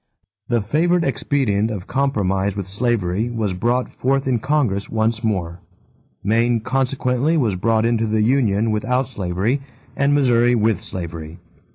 The favorite expedient of compromise with slavery was brought forth in Congress once more. Maine consequently was brought into the union without slavery and Missouri with slavery.